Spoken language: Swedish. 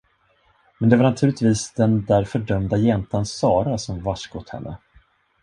Men det var naturligtvis den där fördömda jäntan Sara som varskott henne.